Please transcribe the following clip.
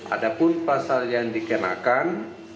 adapun pasal yang dikenakan